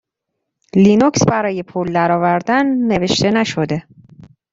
لینوکس برای پول درآوردن نوشته نشده.